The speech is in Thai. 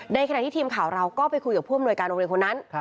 ในขณะที่ทีมข่าวเราก็ไปคุยกับผู้อำนวยการโรงเรียนคนนั้น